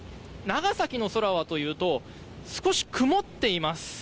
長崎の空はというと少し曇っています。